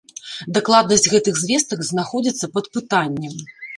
Дакладнасць гэтых звестак знаходзіцца пад пытаннем.